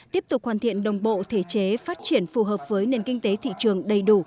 tiếp tục hoàn thiện đồng bộ thể chế phát triển phù hợp với nền kinh tế thị trường đầy đủ